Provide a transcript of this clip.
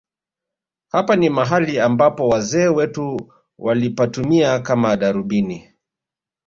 Hapa ni mahali ambapo wazee wetu walipatumia kama darubini